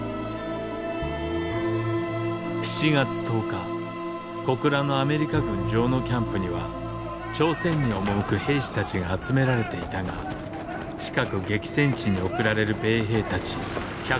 ７月１０日小倉のアメリカ軍城野キャンプには朝鮮に赴く兵士たちが集められていたが近く激戦地に送られる米兵たち１００名以上がキャンプを脱走。